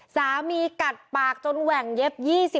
กัดปากจนแหว่งเย็บ๒๐